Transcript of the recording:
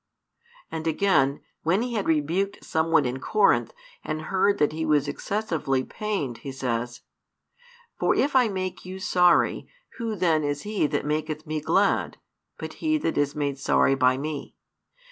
And again, when he had rebuked someone in Corinth, and heard that he was excessively pained, he says: For if I make you sorry, who then is he that maketh me glad, but he that is made sorry by me?